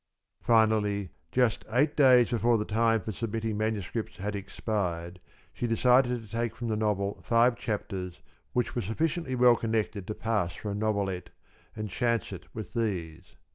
Finally, just eight days before the time for submitting manuscripts had expired, she decided to take from the novel five chapters which were sufficiently well connected to pass for a novelette, and chance it with these.